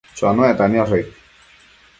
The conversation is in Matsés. Chonuecta niosh aid ?